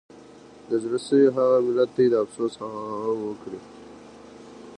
د زړه سوي هغه ملت دی د افسوس هغه وګړي